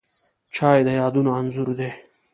چای د یادونو انځور دی